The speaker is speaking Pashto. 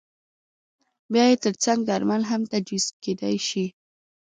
بیا یې ترڅنګ درمل هم تجویز کېدای شي.